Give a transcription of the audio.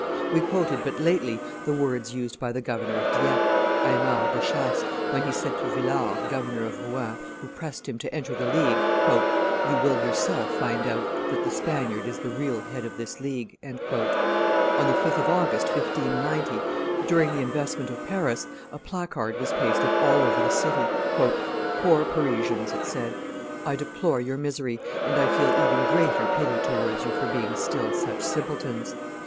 We quoted but lately the words used by the governor of Dieppe, Aymar de Chastes, when he said to Villars, governor of Rouen, who pressed him to enter the League, "You will yourself find out that the Spaniard is the real head of this League." On the 5th of August, 1590, during the investment of Paris, a placard was pasted all over the city. "Poor Parisians," it said, "I deplore your misery, and I feel even greater pity towards you for being still such simpletons.